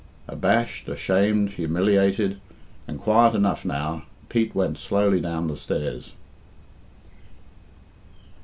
Abashed, ashamed, humiliated, and quiet enough now, Pete went slowly down the stairs.